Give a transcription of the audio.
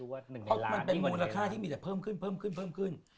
มันเป็นมูลค่าที่มีแต่เพิ่มขึ้น